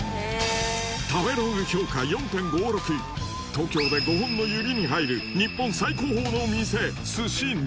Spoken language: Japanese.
東京で５本の指に入る日本最高峰の店